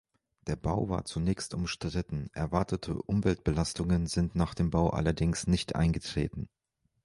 Der Bau war zunächst umstritten, erwartete Umweltbelastungen sind nach dem Bau allerdings nicht eingetreten.